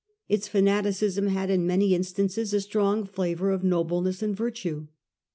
Its fanaticism had in many instances a strong flavour of nobleness and virtue.